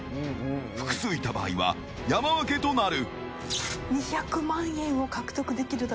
複数いた場合は山分けとなる。